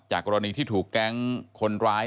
กรณีที่ถูกแก๊งคนร้าย